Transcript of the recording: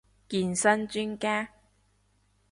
健身專家